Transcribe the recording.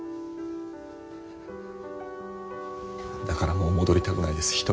だからもう戻りたくないです